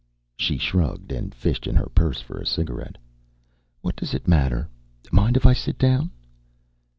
She shrugged and fished in her purse for a cigarette. "What does it matter? Mind if I sit down?"